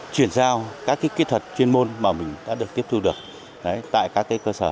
truyền giao các kỹ thuật chuyên môn mà mình đã được tiếp thu được tại các cơ sở của bệnh viện trung ương